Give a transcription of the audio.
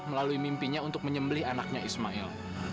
melalui mimpinya untuk menyembeli anaknya ismail